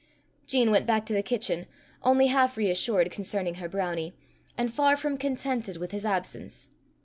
Jean went back to the kitchen, only half reassured concerning her brownie, and far from contented with his absence.